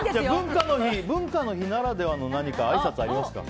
文化の日ならではの何かあいさつ、ありますか？